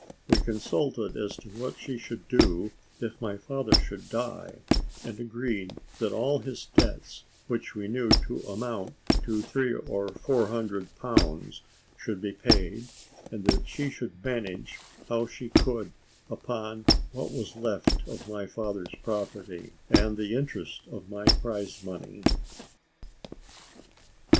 We consulted as to what she should do if my father should die, and agreed that all his debts, which we knew to amount to three or four hundred pounds, should be paid, and that she should manage how she could upon what was left of my father's property, and the interest of my prize money.